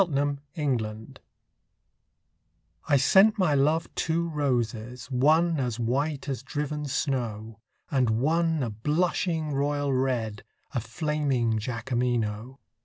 The White Flag I sent my love two roses, one As white as driven snow, And one a blushing royal red, A flaming Jacqueminot.